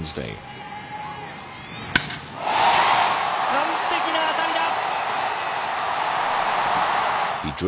完璧な当たりだ。